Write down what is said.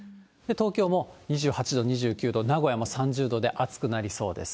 東京も２８度、２９度、名古屋も３０度で暑くなりそうです。